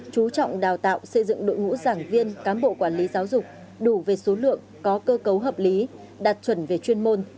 chú trọng đào tạo xây dựng đội ngũ giảng viên cán bộ quản lý giáo dục đủ về số lượng có cơ cấu hợp lý đạt chuẩn về chuyên môn